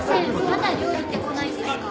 まだ料理って来ないんですか？